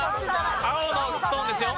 青のストーンですよ。